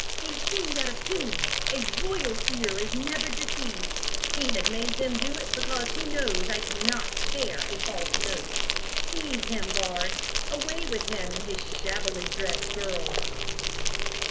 they sing out of tune! A royal ear is never deceived! He has made them do it because he knows I cannot bear a false note. Seize him, guards! away with him and his shabbily dressed girls!"